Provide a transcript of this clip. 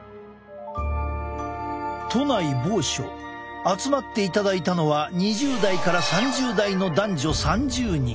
都内某所集まっていただいたのは２０代から３０代の男女３０人。